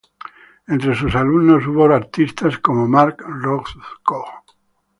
Entre sus alumnos hubo artistas como Mark Rothko.